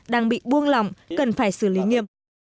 đang bị buông lỏng cần phải xử lý nghiêm